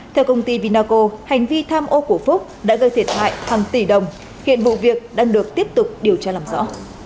theo công ty vinaco hành vi tham ô của phúc đã gây thiệt hại hàng tỷ đồng hiện vụ việc đang được tiếp tục điều tra làm rõ